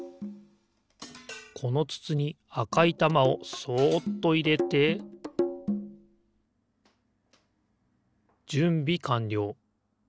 このつつにあかいたまをそっといれてじゅんびかんりょう。